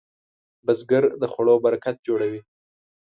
بزګر د خوړو برکت جوړوي